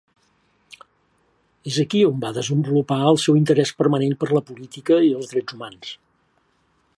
És aquí on va desenvolupar el seu interès permanent per la política i els drets humans.